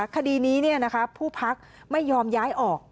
คดีนี้ผู้พักไม่ยอมย้ายออก